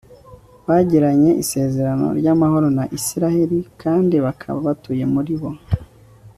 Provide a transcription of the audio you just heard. bagiranye isezerano ry'amahoro na israheli kandi bakaba batuye muri bo